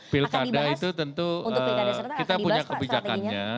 pilkada itu tentu kita punya kebijakannya